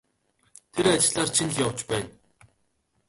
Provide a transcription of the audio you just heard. Тэр ажлаар чинь л явж байна.